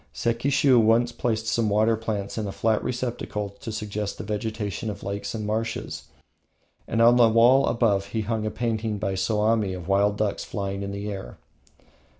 Sekishiu once placed some water plants in a flat receptacle to suggest the vegetation of lakes and marshes, and on the wall above he hung a painting by Soami of wild ducks flying in the air.